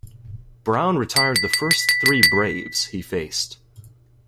Brown retired the first three Braves he faced.